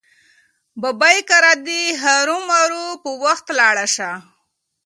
ببۍ کره دې هرو مرو په وخت لاړه شه.